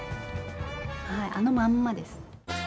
はい、あのまんまです。